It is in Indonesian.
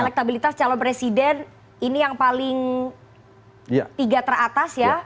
elektabilitas calon presiden ini yang paling tiga teratas ya